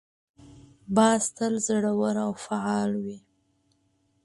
باز تل زړور او فعال وي